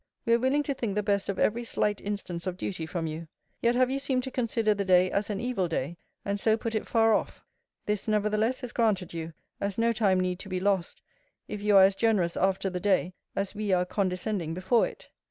We are willing to think the best of every slight instance of duty from you. Yet have you seemed to consider the day as an evil day, and so put if far off. This nevertheless is granted you, as no time need to be lost, if you are as generous after the day, as we are condescending before it.